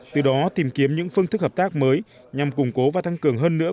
từ đó tìm kiếm những phương thức hợp tác mới nhằm củng cố và thăng cường hơn nữa